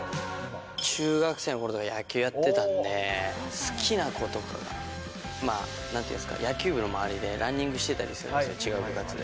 中学生のころ、野球やってたんで、好きな子とかが、なんていうんですか、野球部の周りでランニングしてたりするんですよ、違う部活で。